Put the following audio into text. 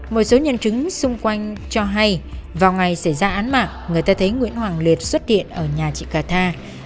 một số nhân chứng xung quanh cho hay vào ngày xảy ra án mạng người ta thấy nguyễn hoàng liệt xuất hiện ở nhà chị cả tha